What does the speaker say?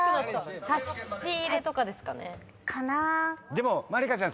でもまりかちゃん